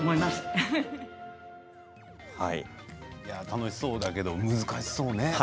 楽しそうだけど難しそうね。